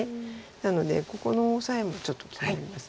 なのでここのオサエもちょっと気になります。